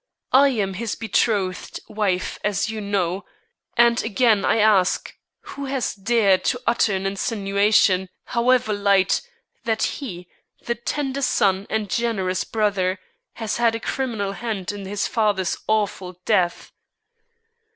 I am his betrothed wife as you know, and again I ask, who has dared to utter an insinuation, however light, that he, the tender son and generous brother, has had a criminal hand in his father's awful death?"